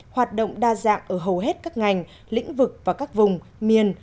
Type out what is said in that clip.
hoạt động đa dạng ở hầu hết các ngành lĩnh vực và các vùng miền